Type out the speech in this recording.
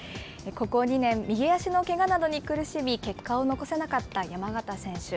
ここ２年、右足のけがなどに苦しみ、結果を残せなかった山縣選手。